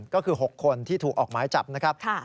ก็คือ๖คนที่ถูกออกหมายจับนะครับ